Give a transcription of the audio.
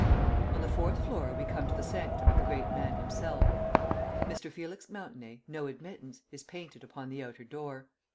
On the fourth floor we come to the sanctum of the great man himself. "Mr. Felix Mountenay No admittance," is painted upon the outer door.